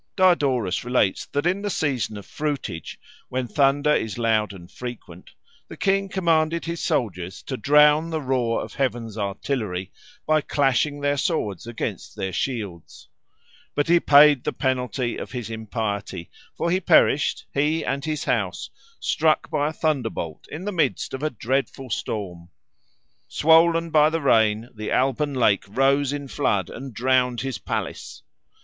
Diodorus relates that in the season of fruitage, when thunder is loud and frequent, the king commanded his soldiers to drown the roar of heaven's artillery by clashing their swords against their shields. But he paid the penalty of his impiety, for he perished, he and his house, struck by a thunderbolt in the midst of a dreadful storm. Swollen by the rain, the Alban lake rose in flood and drowned his palace.